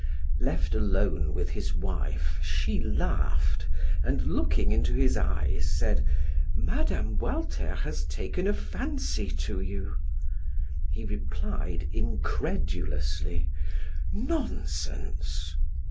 Left alone with his wife, she laughed, and looking into his eyes said: "Mme. Walter has taken a fancy to you!" He replied incredulously: "Nonsense!"